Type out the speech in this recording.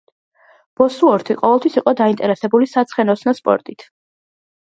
ბოსუორთი ყოველთვის იყო დაინტერესებული საცხენოსნო სპორტით.